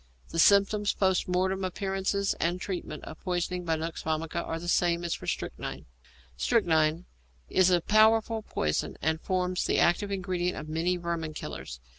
The symptoms, post mortem appearances, and treatment, of poisoning by nux vomica are the same as for strychnine. =Strychnine= is a powerful poison, and forms the active ingredient of many 'vermin killers.'